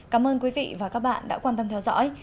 cảm ơn quý vị và các bạn đã quan tâm theo dõi